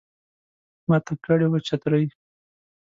ماته کړي وه چترۍ